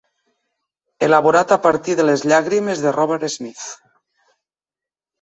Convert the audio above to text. Elaborat a partir de les llàgrimes de Robert Smith.